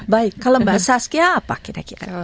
baik kalau mbak saskia apa kira kira